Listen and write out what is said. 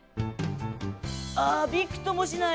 ああびくともしない。